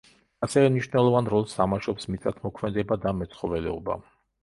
ასევე მნიშნელოვან როლს თამაშობს მიწათმოქმედება და მეცხოველეობა.